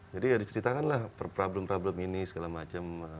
jadi ya diceritakan lah problem problem ini segala macam